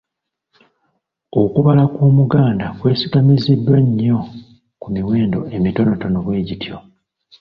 Okubala kw’Omuganda kwesigamiziddwa nnyo ku miwendo emitonoto bwe gityo.